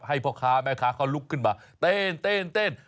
พ่อค้าแม่ค้าเขาลุกขึ้นมาเต้น